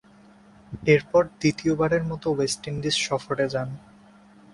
এরপর দ্বিতীয়বারের মতো ওয়েস্ট ইন্ডিজ সফরে যান।